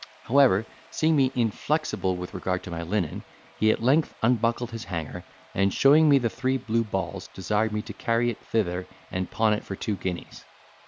However, seeing me inflexible with regard to my linen, he at length unbuckled his hanger, and, showing me the three blue balls, desired me to carry it thither and pawn it for two guineas.